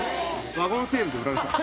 ワゴンセールで売られてた。